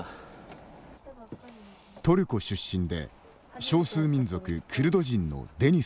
トルコ出身で、少数民族クルド人のデニスさんです。